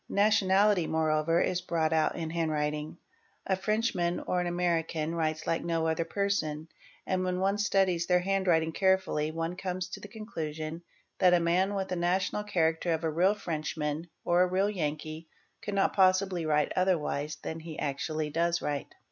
236 THE EXPERT :: Nationality moreover is brought out in handwriting; a Frenchman or an American writes like no other person, and when one studies their handwriting carefully one comes to the conclusion that a man with the national character of a real Frenchman or a real Yankee could not — possibly write otherwise than he actually does write.